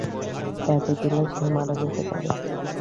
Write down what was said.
এতো দিলে সে মারা যেতে পারে।